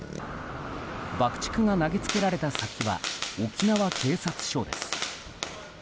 爆竹が投げつけられた先は沖縄警察署です。